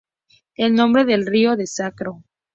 El nombre del río es "Sacro".